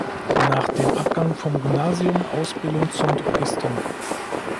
Nach dem Abgang vom Gymnasium Ausbildung zum Drogisten.